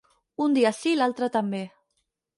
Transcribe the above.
Un dia sí i l'altre també.